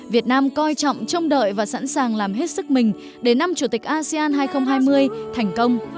việt nam coi trọng trông đợi và sẵn sàng làm hết sức mình để năm chủ tịch asean hai nghìn hai mươi thành công